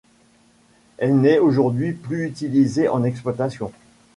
Elle n'est aujourd'hui plus utilisée en exploitation.